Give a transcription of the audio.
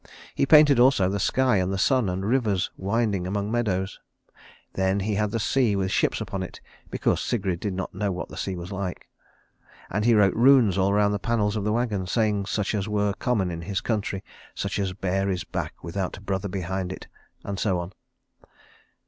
He painted also the sky and the sun and rivers winding among meadows. Then he had the sea, with ships upon it, because Sigrid did not know what the sea was like. And he wrote runes all round the panels of the wagon, sayings such as were common in his country, such as Bare is Back without Brother Behind it, and so on.